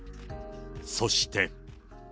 そして。